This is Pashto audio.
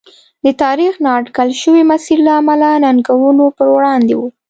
د تاریخ نااټکل شوي مسیر له امله ننګونو پر وړاندې و.